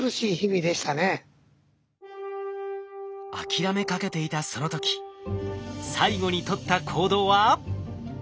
諦めかけていたその時最後に取った行動は。